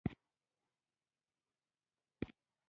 ځینې مایکرو ارګانیزمونه د زیاتوالي په وجه نښلي.